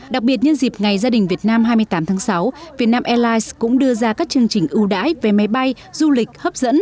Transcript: đặc biệt nhân dịp ngày gia đình việt nam hai mươi tám tháng sáu vietnam airlines cũng đưa ra các chương trình ưu đãi về máy bay du lịch hấp dẫn